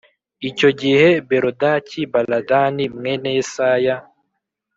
Icyo gihe Berodaki Baladani mwene yesaya